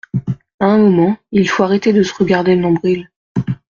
À un moment, il faut arrêter de se regarder le nombril.